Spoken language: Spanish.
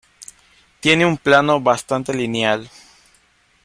Tiene un plano bastante lineal.